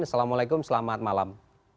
assalamualaikum selamat malam